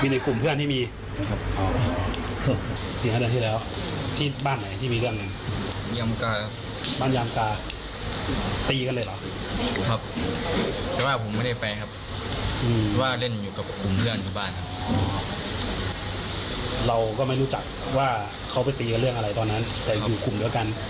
แต่ครั้งนี้เราก็ไม่รู้ว่าเป็นใครเนอะ